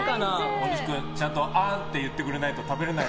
大西君、ちゃんとあーんって言ってくれないと食べれない。